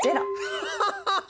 ハハハハハ！